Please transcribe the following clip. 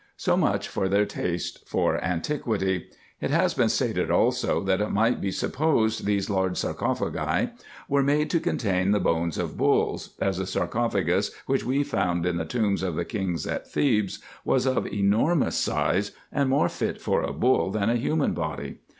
So much for their taste for antiquity. It has been stated also, that it might be supposed these large sar cophagi were made to contain the bones of bulls, as the sarcophagus which we found in the tombs of the kings at Thebes was of enormous size, and more fit for a bull than a human body.